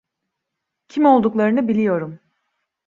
Kim olduklarını biliyorum.